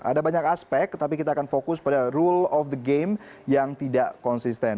ada banyak aspek tetapi kita akan fokus pada rule of the game yang tidak konsisten